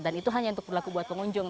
dan itu hanya untuk berlaku buat pengunjung